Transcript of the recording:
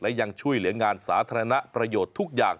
และยังช่วยเหลืองานสาธารณประโยชน์ทุกอย่าง